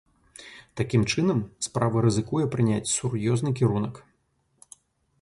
Такім чынам, справа рызыкуе прыняць сур'ёзны кірунак.